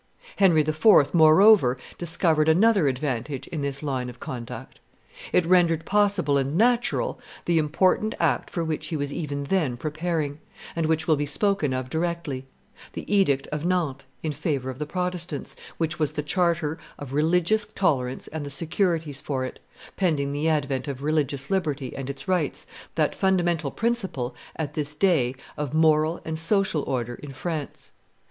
Henry IV., moreover, discovered another advantage in this line of conduct; it rendered possible and natural the important act for which he was even then preparing, and which will be spoken of directly, the edict of Nantes in favor of the Protestants, which was the charter of religious tolerance and the securities for it, pending the advent of religious liberty and its rights, that fundamental principle, at this day, of moral and social order in France.